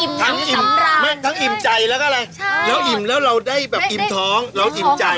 อิ่มท้องสำราญทั้งอิ่มใจแล้วก็อะไรแล้วเราได้แบบอิ่มท้องแล้วอิ่มใจ